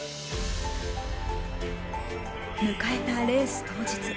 迎えたレース当日。